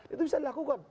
itu bisa dilakukan